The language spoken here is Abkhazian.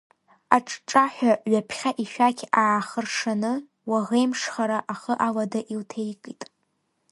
Аҿҿаҳәа ҩаԥхьа ишәақь аахыршаны, уаӷеимшхара, ахы алада илҭеикит.